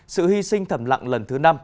sự hy sinh thầm lặng lần thứ năm